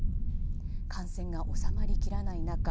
感染が収まりきらない中